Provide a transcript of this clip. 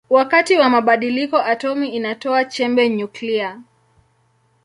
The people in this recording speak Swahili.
Wakati wa badiliko atomi inatoa chembe nyuklia.